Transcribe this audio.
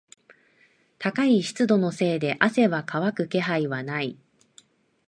高い湿度のせいで汗は乾く気配はない。